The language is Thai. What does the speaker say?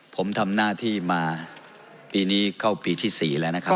ผมทำหน้าที่มาปีนี้เข้าปีที่๔แล้วนะครับ